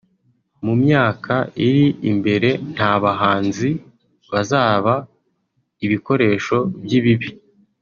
mu myaka iri imbere nta bahanzi bazaba ibikoresho by’ibibi